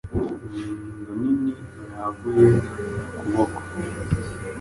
Inyundo nini yaguye mu kuboko: